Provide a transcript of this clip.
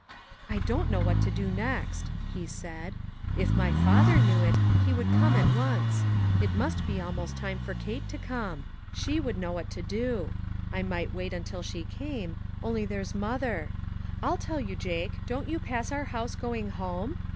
"I don't know what to do next," he said; "if my father knew it, he would come at once. It must be almost time for Kate to come. She would know what to do I might wait until she came ; only there's mother. I'll tell you, Jake, don't you pass our house going home?